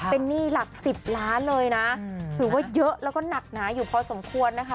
เป็นหนี้หลัก๑๐ล้านเลยนะถือว่าเยอะแล้วก็หนักหนาอยู่พอสมควรนะคะ